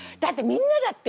みんなだって。